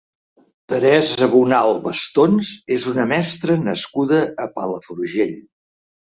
Teresa Bonal Bastons és una mestra nascuda a Palafrugell.